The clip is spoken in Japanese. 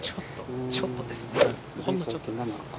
ほんのちょっとです。